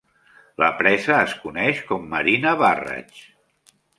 La presa es coneix com Marina Barrage.